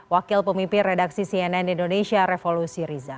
wakil pemimpin redaksi cnn indonesia revolusi riza